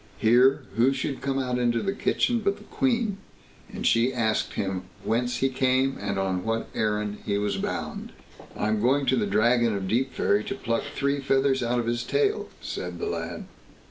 Here who should come out into the kitchen but the Queen, and she asked him whence he came, and on what errand he was bound? "I'm going to the Dragon of Deepferry to pluck three feathers out of his tail", said the lad.